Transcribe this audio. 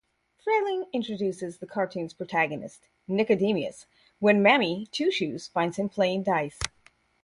Freleng introduces the cartoon's protagonist, Nicodemus, when Mammy Two-Shoes finds him playing dice.